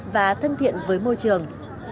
và thân thiện với môi trường